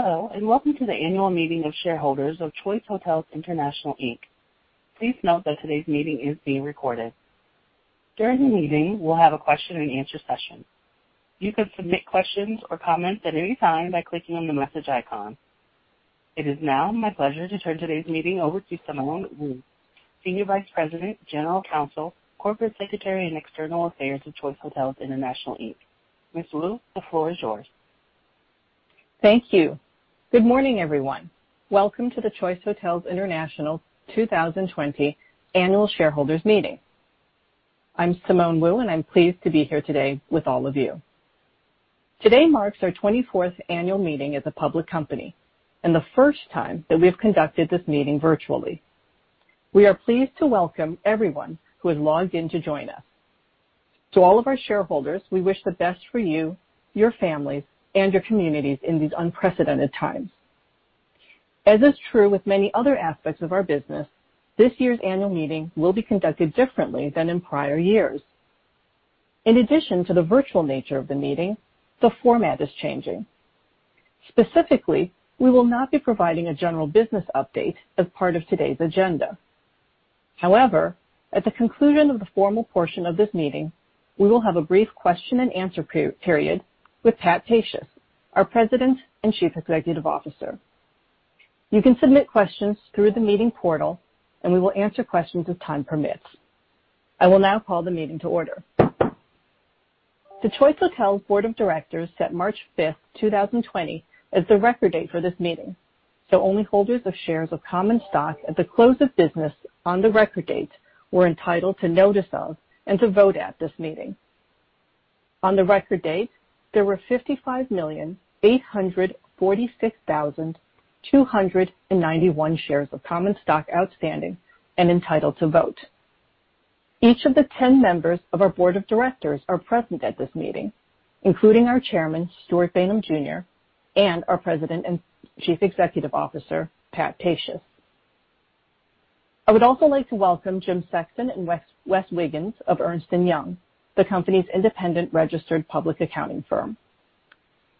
Hello, and welcome to the Annual Meeting of Shareholders of Choice Hotels International, Inc. Please note that today's meeting is being recorded. During the meeting, we'll have a question and answer session. You can submit questions or comments at any time by clicking on the message icon. It is now my pleasure to turn today's meeting over to Simone Wu, Senior Vice President, General Counsel, Corporate Secretary, and External Affairs of Choice Hotels International, Inc. Ms. Wu, the floor is yours. Thank you. Good morning, everyone. Welcome to the Choice Hotels International 2020 Annual Shareholders Meeting. I'm Simone Wu, and I'm pleased to be here today with all of you. Today marks our 24th annual meeting as a public company and the first time that we have conducted this meeting virtually. We are pleased to welcome everyone who has logged in to join us. To all of our shareholders, we wish the best for you, your families, and your communities in these unprecedented times. As is true with many other aspects of our business, this year's annual meeting will be conducted differently than in prior years. In addition to the virtual nature of the meeting, the format is changing. Specifically, we will not be providing a general business update as part of today's agenda. However, at the conclusion of the formal portion of this meeting, we will have a brief question and answer period with Pat Pacious, our President and Chief Executive Officer. You can submit questions through the meeting portal, and we will answer questions as time permits. I will now call the meeting to order. The Choice Hotels Board of Directors set 5 March, 2020, as the record date for this meeting, so only holders of shares of common stock at the close of business on the record date were entitled to notice of and to vote at this meeting. On the record date, there were 55,846,291 shares of common stock outstanding and entitled to vote. Each of the ten members of our Board of Directors are present at this meeting, including our Chairman, Stewart Bainum Jr., and our President and Chief Executive Officer, Pat Pacious. I would also like to welcome Jim Sexton and Wes Wiggins of Ernst & Young, the company's independent registered public accounting firm.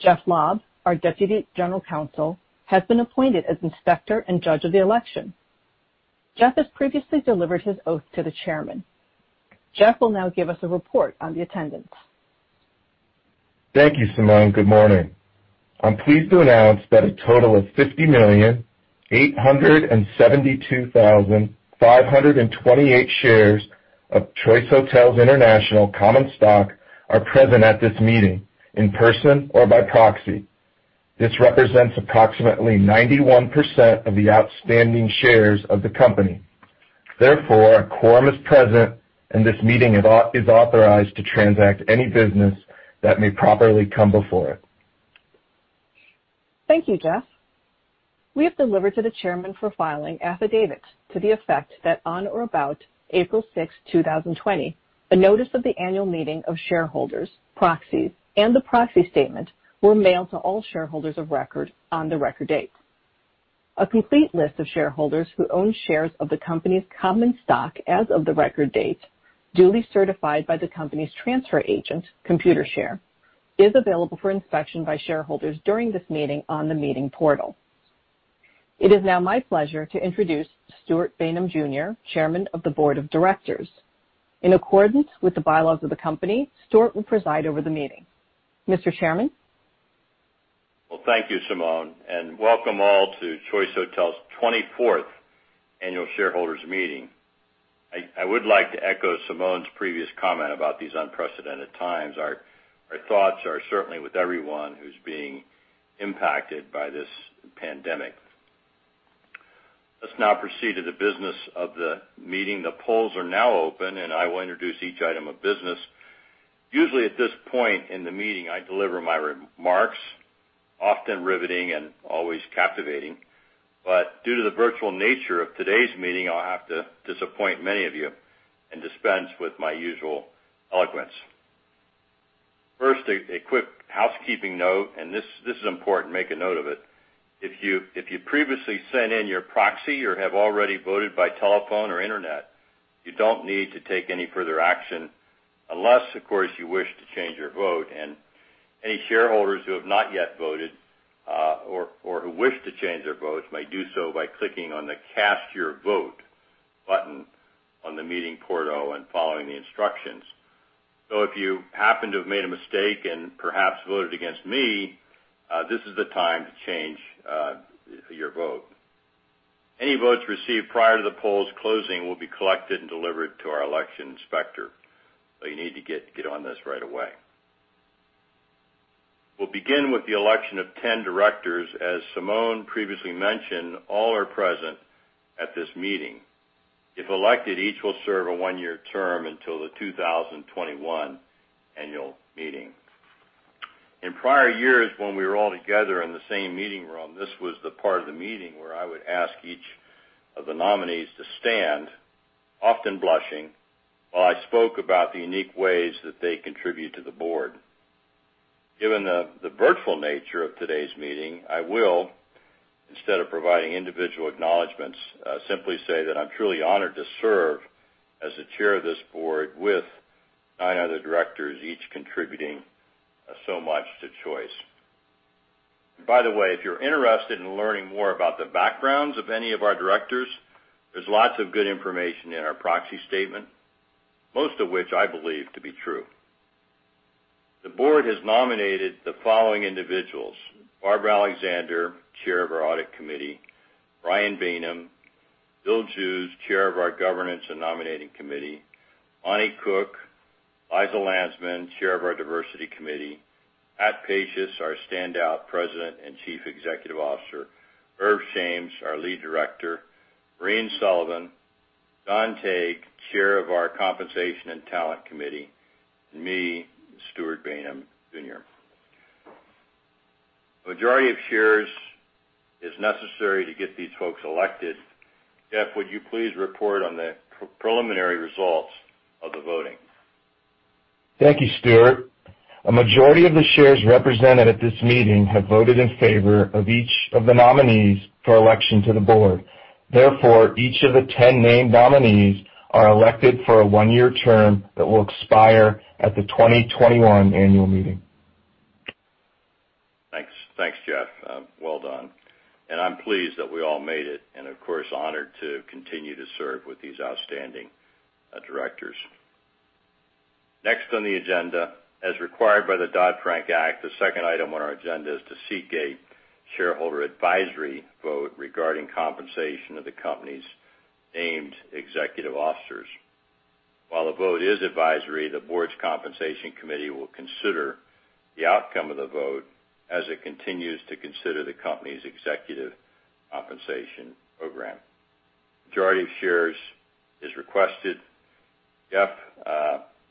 Jeff Lobb, our Deputy General Counsel, has been appointed as Inspector and Judge of the election. Jeff has previously delivered his oath to the chairman. Jeff will now give us a report on the attendance. Thank you, Simone. Good morning. I'm pleased to announce that a total of 50,872,528 shares of Choice Hotels International common stock are present at this meeting in person or by proxy. This represents approximately 91% of the outstanding shares of the company. Therefore, a quorum is present, and this meeting is authorized to transact any business that may properly come before it. Thank you, Jeff. We have delivered to the chairman for filing affidavits to the effect that on or about 6 April,2020, a notice of the annual meeting of shareholders, proxies, and the proxy statement were mailed to all shareholders of record on the record date. A complete list of shareholders who own shares of the company's common stock as of the record date, duly certified by the company's transfer agent, Computershare, is available for inspection by shareholders during this meeting on the meeting portal. It is now my pleasure to introduce Stewart Bainum Jr., Chairman of the Board of Directors. In accordance with the bylaws of the company, Stewart will preside over the meeting. Mr. Chairman? Well, thank you, Simone, and welcome all to Choice Hotels' twenty-fourth Annual Shareholders Meeting. I would like to echo Simone's previous comment about these unprecedented times. Our thoughts are certainly with everyone who's being impacted by this pandemic. Let's now proceed to the business of the meeting. The polls are now open, and I will introduce each item of business. Usually, at this point in the meeting, I deliver my remarks, often riveting and always captivating. But due to the virtual nature of today's meeting, I'll have to disappoint many of you and dispense with my usual eloquence. First, a quick housekeeping note, and this is important. Make a note of it. If you previously sent in your proxy or have already voted by telephone or internet, you don't need to take any further action, unless, of course, you wish to change your vote. Any shareholders who have not yet voted, or who wish to change their votes may do so by clicking on the Cast Your Vote button on the meeting portal and following the instructions. So if you happen to have made a mistake and perhaps voted against me, this is the time to change your vote. Any votes received prior to the polls closing will be collected and delivered to our election inspector, so you need to get on this right away. We'll begin with the election of 10 directors. As Simone previously mentioned, all are present at this meeting. If elected, each will serve a one-year term until the 2021 annual meeting. In prior years, when we were all together in the same meeting room, this was the part of the meeting where I would ask each of the nominees to stand, often blushing, while I spoke about the unique ways that they contribute to the board. Given the virtual nature of today's meeting, I will, instead of providing individual acknowledgments, simply say that I'm truly honored to serve as the Chair of this board with nine other directors, each contributing so much to Choice. By the way, if you're interested in learning more about the backgrounds of any of our directors, there's lots of good information in our proxy statement, most of which I believe to be true. The board has nominated the following individuals: Barbara Alexander, chair of our Audit Committee; Brian Bainum; Bill Jews, chair of our Governance and Nominating Committee; Monte Cook; Liza Landsman, chair of our Diversity Committee; Pat Pacious, our standout President and Chief Executive Officer; Irv Shames, our lead director; Maureen Sullivan; John Tague, chair of our Compensation and Talent Committee, and me, Stewart Bainum Jr. A majority of shares is necessary to get these folks elected. Jeff, would you please report on the preliminary results of the voting? Thank you, Stewart. A majority of the shares represented at this meeting have voted in favor of each of the nominees for election to the board. Therefore, each of the 10 named nominees are elected for a one-year term that will expire at the 2021 annual meeting. Thanks. Thanks, Jeff. Well done. And I'm pleased that we all made it, and of course, honored to continue to serve with these outstanding, directors. Next on the agenda, as required by the Dodd-Frank Act, the second item on our agenda is to seek a shareholder advisory vote regarding compensation of the company's named executive officers. While the vote is advisory, the board's compensation committee will consider the outcome of the vote as it continues to consider the company's executive compensation program. Majority of shares is requested. Jeff,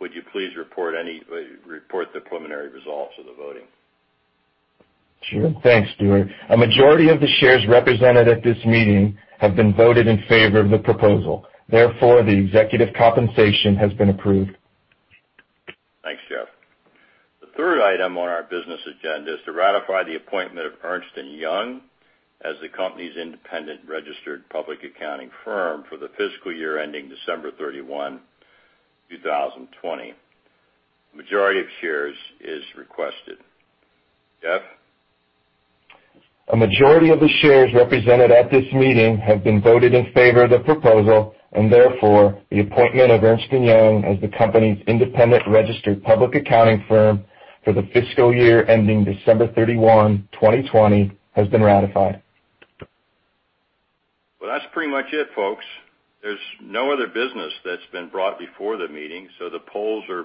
would you please report the preliminary results of the voting? Sure. Thanks, Stewart. A majority of the shares represented at this meeting have been voted in favor of the proposal. Therefore, the executive compensation has been approved. Thanks, Jeff. The third item on our business agenda is to ratify the appointment of Ernst & Young as the company's independent registered public accounting firm for the fiscal year ending 31 December,2020. Majority of shares is requested. Jeff? A majority of the shares represented at this meeting have been voted in favor of the proposal, and therefore, the appointment of Ernst & Young as the company's independent registered public accounting firm for the fiscal year ending 31 December, 2020, has been ratified. Well, that's pretty much it, folks. There's no other business that's been brought before the meeting, so the polls are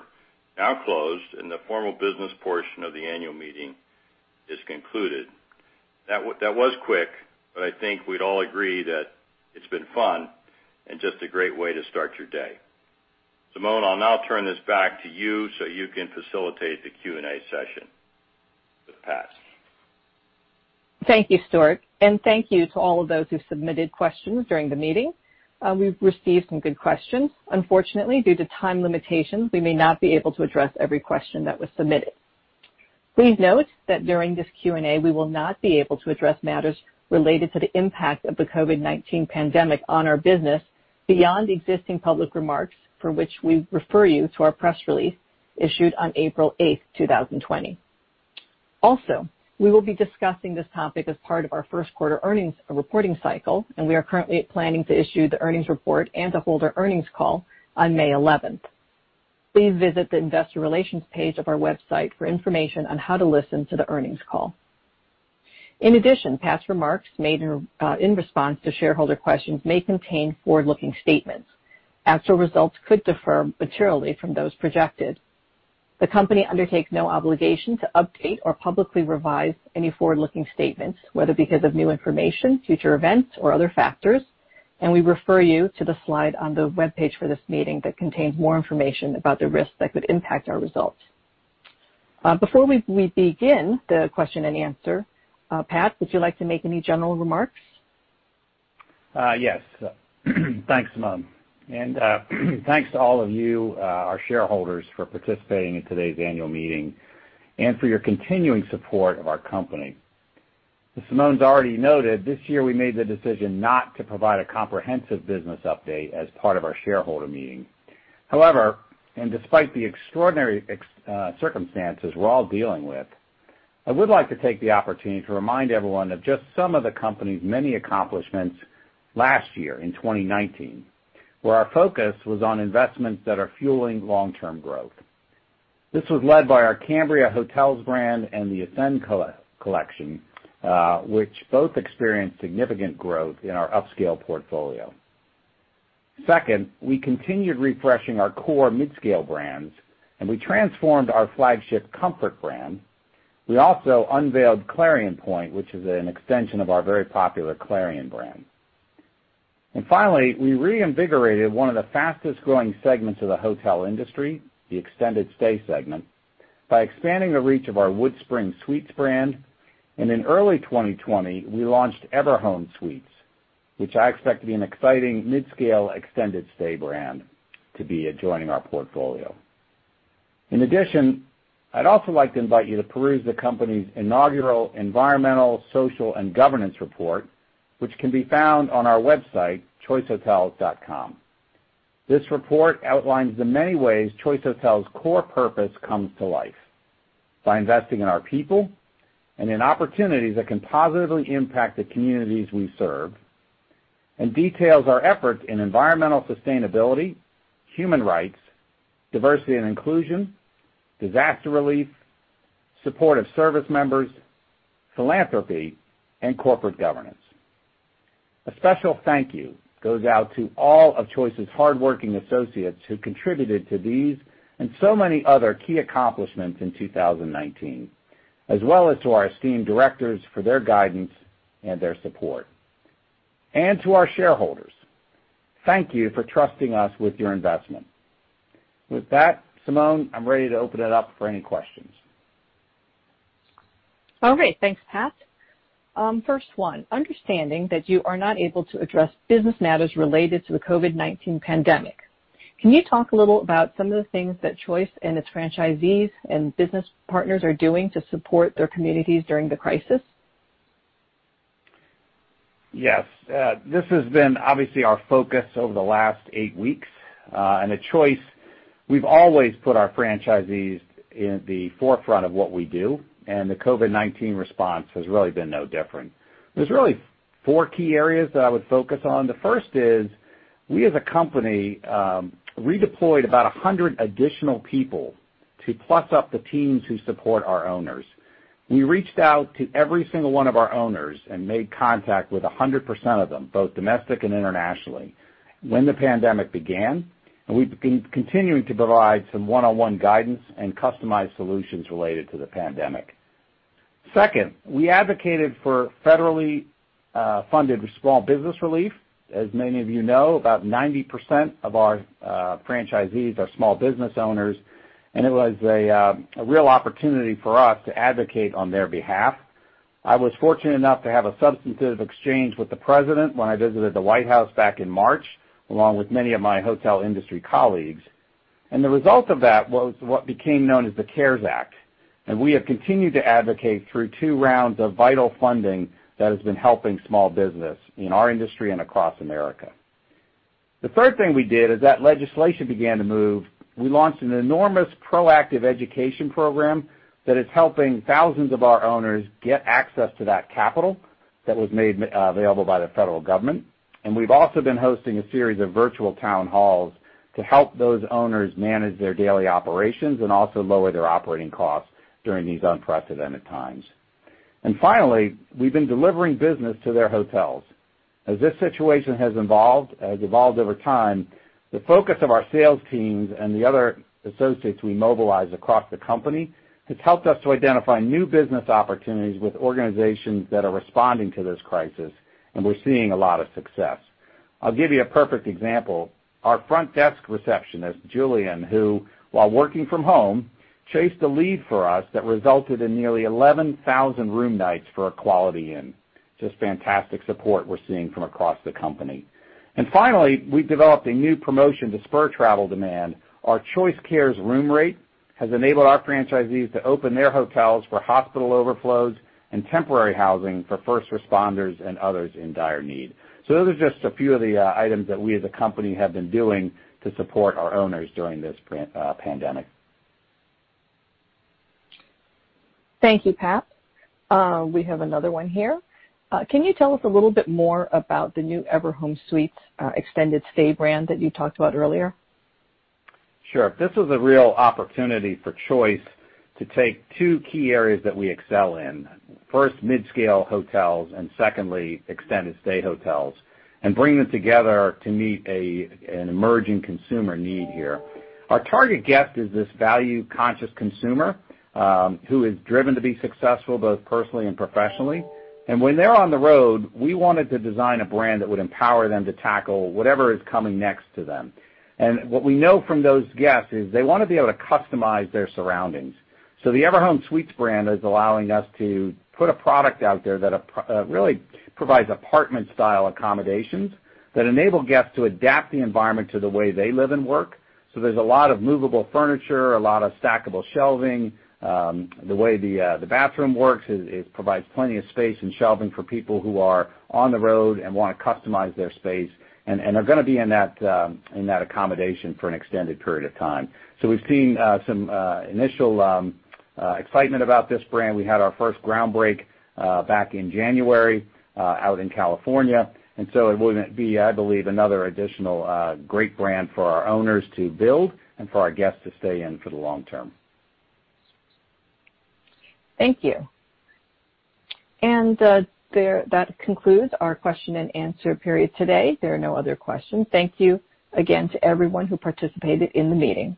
now closed, and the formal business portion of the annual meeting is concluded. That was quick, but I think we'd all agree that it's been fun and just a great way to start your day. Simone, I'll now turn this back to you so you can facilitate the Q&A session with Pat. Thank you, Stewart, and thank you to all of those who submitted questions during the meeting. We've received some good questions. Unfortunately, due to time limitations, we may not be able to address every question that was submitted. Please note that during this Q&A, we will not be able to address matters related to the impact of the COVID-19 pandemic on our business, beyond existing public remarks, for which we refer you to our press release issued on 8 April, 2020. Also, we will be discussing this topic as part of our 1Q earnings reporting cycle, and we are currently planning to issue the earnings report and to hold our earnings call on 11 May. Please visit the investor relations page of our website for information on how to listen to the earnings call. In addition, past remarks made in, in response to shareholder questions may contain forward-looking statements. Actual results could differ materially from those projected. The company undertakes no obligation to update or publicly revise any forward-looking statements, whether because of new information, future events, or other factors, and we refer you to the slide on the webpage for this meeting that contains more information about the risks that could impact our results. Before we begin the question and answer, Pat, would you like to make any general remarks? Yes. Thanks, Simone, and thanks to all of you, our shareholders, for participating in today's annual meeting and for your continuing support of our company. As Simone's already noted, this year we made the decision not to provide a comprehensive business update as part of our shareholder meeting. However, and despite the extraordinary circumstances we're all dealing with, I would like to take the opportunity to remind everyone of just some of the company's many accomplishments last year, in 2019, where our focus was on investments that are fueling long-term growth. This was led by our Cambria Hotels brand and the Ascend Collection, which both experienced significant growth in our upscale portfolio. Second, we continued refreshing our core midscale brands, and we transformed our flagship Comfort brand. We also unveiled Clarion Pointe, which is an extension of our very popular Clarion brand. Finally, we reinvigorated one of the fastest-growing segments of the hotel industry, the extended stay segment, by expanding the reach of our WoodSpring Suites brand, and in early 2020, we launched Everhome Suites, which I expect to be an exciting midscale extended stay brand to be adjoining our portfolio. In addition, I'd also like to invite you to peruse the company's inaugural environmental, social, and governance report, which can be found on our website, choicehotels.com. This report outlines the many ways Choice Hotels' core purpose comes to life, by investing in our people and in opportunities that can positively impact the communities we serve, and details our efforts in environmental sustainability, human rights, diversity and inclusion, disaster relief, support of service members, philanthropy, and corporate governance. A special thank you goes out to all of Choice's hardworking associates who contributed to these and so many other key accomplishments in 2019, as well as to our esteemed directors for their guidance and their support. To our shareholders, thank you for trusting us with your investment. With that, Simone, I'm ready to open it up for any questions. All right. Thanks, Pat. First one, understanding that you are not able to address business matters related to the COVID-19 pandemic, can you talk a little about some of the things that Choice and its franchisees and business partners are doing to support their communities during the crisis? Yes. This has been obviously our focus over the last eight weeks. And at Choice, we've always put our franchisees in the forefront of what we do, and the COVID-19 response has really been no different. There's really 4 key areas that I would focus on. The first is, we, as a company, redeployed about 100 additional people to plus up the teams who support our owners. We reached out to every single one of our owners and made contact with 100% of them, both domestic and internationally, when the pandemic began, and we've been continuing to provide some one-on-one guidance and customized solutions related to the pandemic. Second, we advocated for federally funded small business relief. As many of you know, about 90% of our franchisees are small business owners, and it was a real opportunity for us to advocate on their behalf. I was fortunate enough to have a substantive exchange with the President when I visited the White House back in March, along with many of my hotel industry colleagues. The result of that was what became known as the CARES Act, and we have continued to advocate through two rounds of vital funding that has been helping small business in our industry and across America. The third thing we did, as that legislation began to move, we launched an enormous proactive education program that is helping thousands of our owners get access to that capital that was made available by the federal government. And we've also been hosting a series of virtual town halls to help those owners manage their daily operations and also lower their operating costs during these unprecedented times. And finally, we've been delivering business to their hotels. As this situation has evolved over time, the focus of our sales teams and the other associates we mobilize across the company has helped us to identify new business opportunities with organizations that are responding to this crisis, and we're seeing a lot of success. I'll give you a perfect example. Our front desk receptionist, Julian, who, while working from home, chased a lead for us that resulted in nearly 11,000 room nights for a Quality Inn. Just fantastic support we're seeing from across the company. And finally, we've developed a new promotion to spur travel demand. Our Choice Cares room rate has enabled our franchisees to open their hotels for hospital overflows and temporary housing for first responders and others in dire need. So those are just a few of the items that we as a company have been doing to support our owners during this pandemic. Thank you, Pat. We have another one here. Can you tell us a little bit more about the new Everhome Suites, extended stay brand that you talked about earlier? Sure. This is a real opportunity for Choice to take two key areas that we excel in, first, midscale hotels, and secondly, extended stay hotels, and bring them together to meet an emerging consumer need here. Our target guest is this value-conscious consumer who is driven to be successful, both personally and professionally. And when they're on the road, we wanted to design a brand that would empower them to tackle whatever is coming next to them. And what we know from those guests is they want to be able to customize their surroundings. So the Everhome Suites brand is allowing us to put a product out there that really provides apartment-style accommodations that enable guests to adapt the environment to the way they live and work. So there's a lot of movable furniture, a lot of stackable shelving. The way the bathroom works is it provides plenty of space and shelving for people who are on the road and want to customize their space, and are going to be in that accommodation for an extended period of time. So we've seen some initial excitement about this brand. We had our first groundbreaking back in January out in California. And so it would be, I believe, another additional great brand for our owners to build and for our guests to stay in for the long term. Thank you. And, that concludes our question and answer period today. There are no other questions. Thank you again to everyone who participated in the meeting.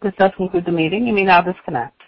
This does conclude the meeting. You may now disconnect.